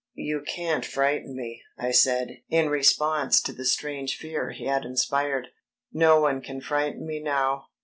"You can't frighten me," I said, in response to the strange fear he had inspired. "No one can frighten me now."